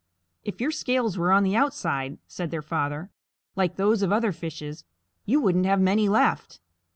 "If your scales were on the outside," said their father, "like those of other fishes, you wouldn't have many left."